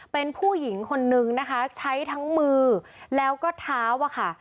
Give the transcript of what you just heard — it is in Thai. เป็นผู้หญิงคนนึงนะคะใช้ทั้งมือแล้วก็เท้าอะค่ะ